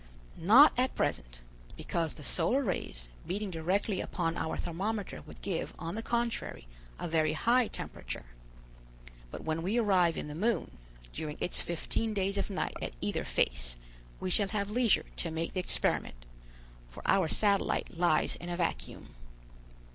"Not at present; because the solar rays, beating directly upon our thermometer, would give, on the contrary, a very high temperature. But, when we arrive in the moon, during its fifteen days of night at either face, we shall have leisure to make the experiment, for our satellite lies in a vacuum."